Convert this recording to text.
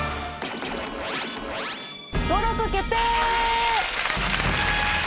登録決定！